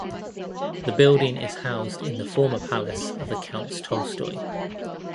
The building is housed in the former palace of the Counts Tolstoy.